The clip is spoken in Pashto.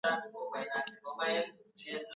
دا دائرې دي.